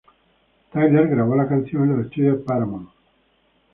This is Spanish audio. Tyler grabó la canción en los estudios de Paramount.